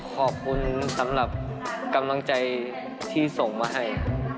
ขอบคุณสำหรับกำลังใจที่ส่งมาให้